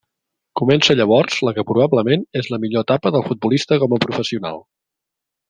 Comença llavors la que probablement és la millor etapa del futbolista com a professional.